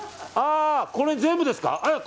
これ全部ですか？